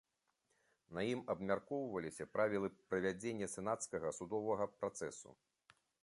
На ім абмяркоўваліся правілы правядзення сенацкага судовага працэсу.